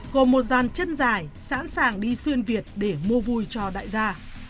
gồm một dàn chân dài sẵn sàng đi xuyên việt để mua vui cho đại gia